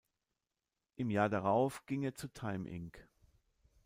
Im Jahr darauf ging er zu "Time Inc.